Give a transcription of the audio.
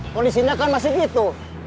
kondisinya kan masih gitu